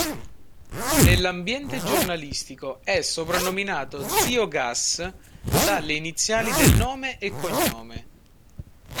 Nell'ambiente giornalistico è soprannominato "Zio Gas", dalle iniziali del nome e cognome.